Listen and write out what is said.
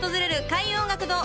開運音楽堂